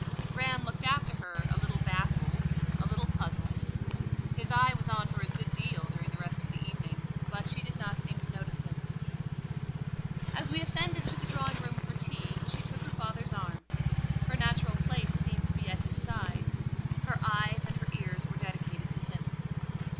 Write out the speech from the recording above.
Graham looked after her a little baffled, a little puzzled; his eye was on her a good deal during the rest of the evening, but she did not seem to notice him. As we ascended to the drawing room for tea, she took her father's arm: her natural place seemed to be at his side; her eyes and her ears were dedicated to him.